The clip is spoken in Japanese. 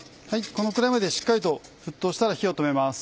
このくらいまでしっかりと沸騰したら火を止めます。